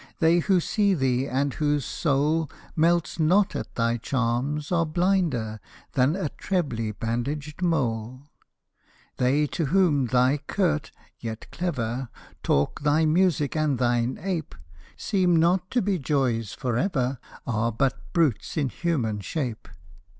They who see thee and whose soul Melts not at thy charms, are blinder Than a trebly bandaged mole: They to whom thy curt (yet clever) Talk, thy music and thine ape, Seem not to be joys for ever, Are but brutes in human shape.